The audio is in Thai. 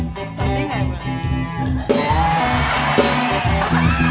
ตัดได้ไงเว้น